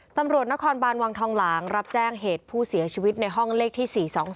ตำรวจนครบานวังทองหลางรับแจ้งเหตุผู้เสียชีวิตในห้องเลขที่๔๒๒